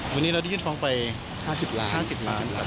วันนี้เราได้ยื่นฟ้องไป๕๐ล้าน๕๐ล้าน